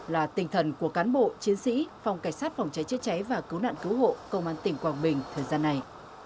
là tinh thần của cán bộ chiến sĩ phòng cảnh sát phòng cháy chữa cháy và cứu nạn cứu hộ công an tỉnh quảng bình thời gian này